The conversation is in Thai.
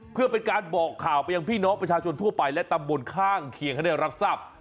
เพื่อเป็นการบอกข่าวไปยังพี่น้องประชาชนทั่วไปและตำบลข้างเคียงให้ได้รับทราบ